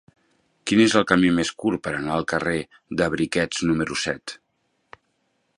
Quin és el camí més curt per anar al carrer de Briquets número set?